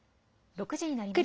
６時になりました。